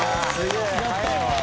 やったー！